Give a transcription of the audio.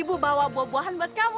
ibu bawa buah buahan buat kamu